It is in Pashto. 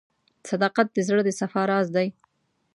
• صداقت د زړه د صفا راز دی.